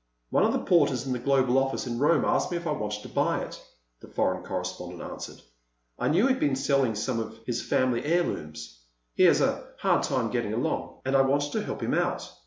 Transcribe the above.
"One of the porters in the Global office in Rome asked me if I wanted to buy it," the foreign correspondent answered. "I knew he'd been selling some of his family heirlooms—he has a hard time getting along—and I wanted to help him out.